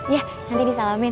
ya nanti disalamin